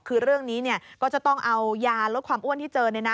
คือเรื่องนี้ก็จะต้องเอายาลดความอ้วนที่เจอ